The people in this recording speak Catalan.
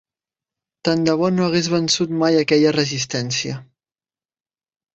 Tant de bo no hagués vençut mai aquella resistència.